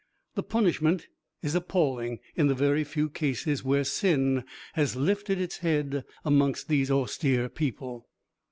The punishment is appalling in the very few cases where sin has lifted its head amongst these austere people.